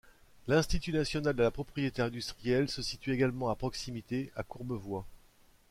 L'Institut national de la propriété industrielle se situe également à proximité, à Courbevoie.